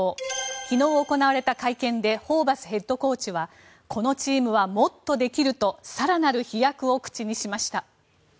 昨日行われた会見でホーバスヘッドコーチはこのチームはもっとできると更なる飛躍を口にしました。